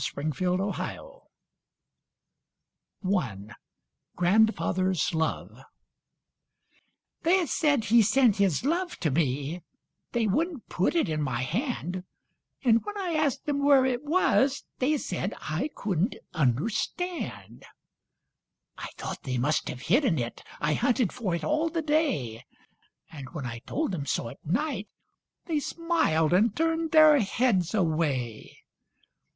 Two Songs for a Child I Grandfather's Love They said he sent his love to me, They wouldn't put it in my hand, And when I asked them where it was They said I couldn't understand. I thought they must have hidden it, I hunted for it all the day, And when I told them so at night They smiled and turned their heads away.